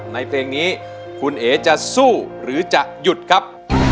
เพลงนี้คุณเอ๋จะสู้หรือจะหยุดครับ